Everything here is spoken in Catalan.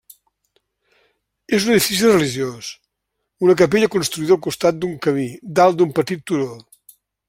És un edifici religiós, una capella construïda al costat d'un camí, dalt d'un petit turó.